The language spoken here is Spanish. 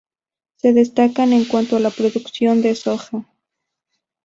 Se destaca en cuanto a la producción de soja.